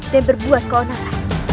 dan berbuat keonaran